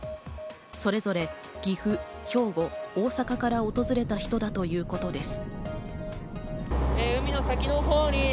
それぞれ岐阜、兵庫、大阪から訪れた人だということです。